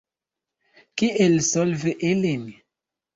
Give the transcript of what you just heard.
Kiel solvi ilin?